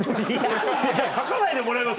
じゃあ書かないでもらえます？